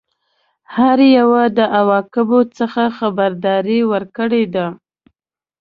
هر یوه د عواقبو څخه خبرداری ورکړی دی.